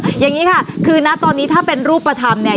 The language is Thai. อย่างนี้ค่ะคือนะตอนนี้ถ้าเป็นรูปธรรมเนี่ย